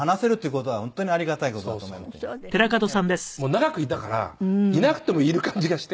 長くいたからいなくてもいる感じがして。